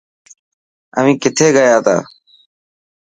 اوهين کٿي گسياتا؟